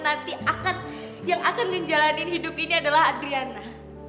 nanti yang akan menjalani hidup ini adalah adriana